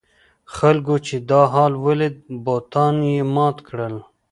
خلکو چې دا حال ولید بتان یې مات کړل.